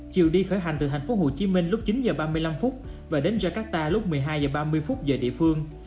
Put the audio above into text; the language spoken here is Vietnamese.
từ thành phố hồ chí minh lúc chín giờ ba mươi năm phút và đến jakarta lúc một mươi hai giờ ba mươi phút giờ địa phương